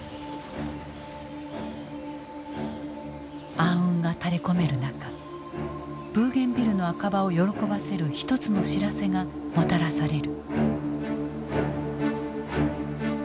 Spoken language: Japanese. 暗雲が垂れこめる中ブーゲンビルの赤羽を喜ばせる一つの知らせがもたらされる。